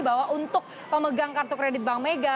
bahwa untuk pemegang kartu kredit bank mega